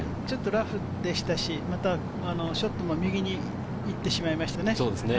ラフでしたし、ショットも右に打ってしまいましたね。